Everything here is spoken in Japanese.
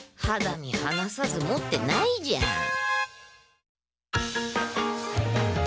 肌身離さず持ってないじゃん。